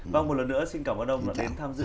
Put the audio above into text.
vâng một lần nữa xin cảm ơn ông đã đến tham dự